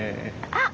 あっ！